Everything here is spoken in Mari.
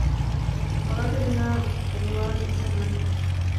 Ораде гына омылан ӱшана...